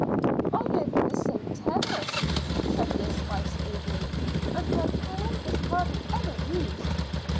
"I live in the same terrace," said Miss Spicer eagerly, "and my piano is hardly ever used.